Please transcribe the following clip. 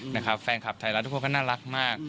นะครับแฟนคลับไทยรัฐทุกคนก็น่ารักมาก